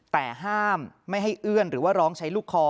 แต่ห้ามไม่ให้เอื้อนหรือว่าร้องใช้ลูกคอ